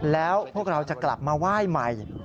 แล้วพวกเราจะกลับมาไหว้ใหม่